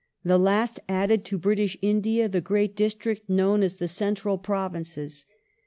The last added to British India the great district known as the Central Provinces.